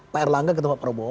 pak erlangga ketemu pak prabowo